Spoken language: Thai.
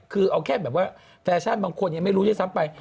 คือเอาแค่แบบว่าฟาชันบางคนยังไม่รู้อย่างนี้ซ้ำไป